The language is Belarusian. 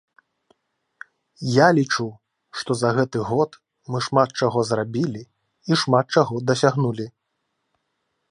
Я лічу, што за гэты год мы шмат чаго зрабілі і шмат чаго дасягнулі.